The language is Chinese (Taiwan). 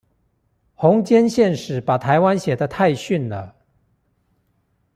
弘兼憲史把台灣寫得太遜了